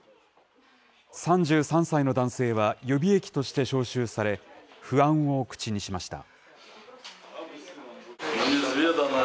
３３歳の男性は予備役として招集され、不安を口にしました。